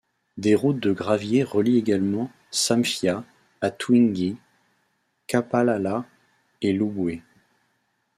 Des routes de gravier relient également Samfya à Twingi, Kapalala et Lubwe.